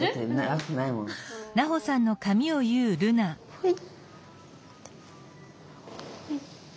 はい。